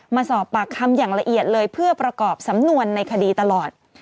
มาสอบปากคำอย่างละเอียดเลยเพื่อประกอบสำนวนในคดีตลอด